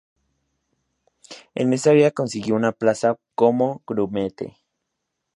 En esa villa consiguió una plaza como grumete.